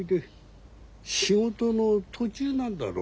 仕事の途中なんだろう？